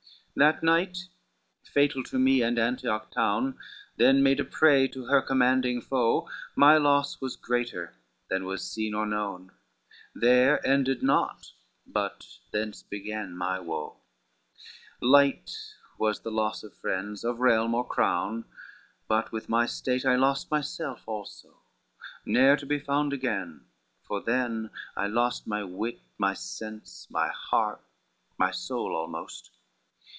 XCII "That night fatal to me and Antioch town, Then made a prey to her commanding foe, My loss was greater than was seen or known, There ended not, but thence began my woe: Light was the loss of friends, of realm or crown; But with my state I lost myself also, Ne'er to be found again, for then I lost My wit, my sense, my heart, my soul almost.